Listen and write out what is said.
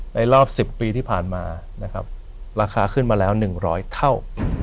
ในรอบสิบปีที่ผ่านมานะครับราคาขึ้นมาแล้วหนึ่งร้อยเท่า